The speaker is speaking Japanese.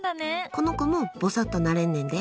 この子もぼさっとなれんねんで。